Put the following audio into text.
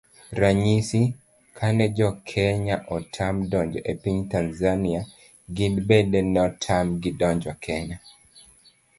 Ranyisi, kane jokenya otam donjo e piny Tazania gin bende notam gi donjo Kenya